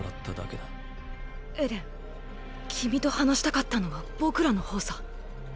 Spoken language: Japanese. エレン君と話したかったのは僕らの方さ。